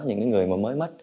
những người mới mất